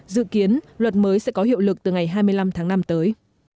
dự kiến luật mới sẽ có hiệu lực từ ngày hai mươi năm tháng năm tới